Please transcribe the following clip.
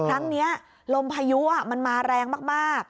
ครั้งนี้ลมพายุมันมาแรงมาก